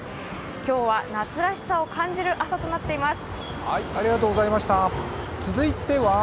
今日は夏らしさを感じる朝となっています。